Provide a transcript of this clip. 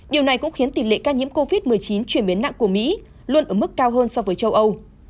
điều này cũng khiến tỷ lệ ca nhiễm covid một mươi chín chuyển biến nặng của mỹ luôn ở mức cao hơn so với châu âu